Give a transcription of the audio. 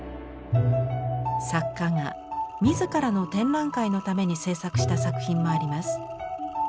作家が自らの展覧会のために制作した作品もあります。